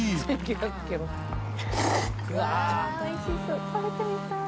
うわぁおいしそう食べてみたい。